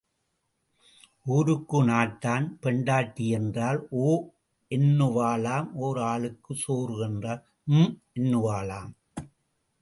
ஊருக்கு நாட்டான் பெண்டாட்டி என்றால் ஓ என்னுவாளாம் ஓர் ஆளுக்குச் சோறு என்றால் ஹூம் என்னுவாளாம்.